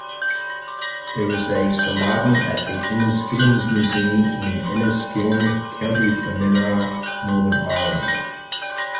There is a Saladin at the Inniskillings Museum in Enniskillen, County Fermanagh, Northern Ireland.